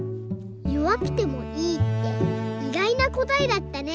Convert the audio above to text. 「よわくてもいい」っていがいなこたえだったね。